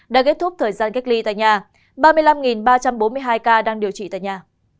đã kết thúc thời gian cách ly tại nhà ba mươi năm ba trăm bốn mươi hai ca đang điều trị tại nhà